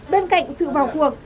bên cạnh sự vào cuộc